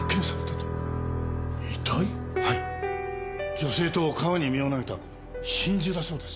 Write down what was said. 女性と川に身を投げた心中だそうです。